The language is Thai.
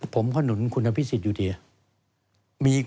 ผมก็หนุนคุณพิสิทธิ์อยู่เดียว